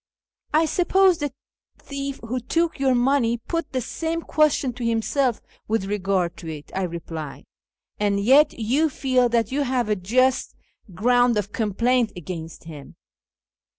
" I suppose the thief who took your money put the same question to himself with regard to it," I replied, " and yet you feel that you have a just ground of complaint against him.